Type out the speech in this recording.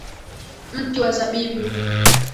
Mti wa zabibu.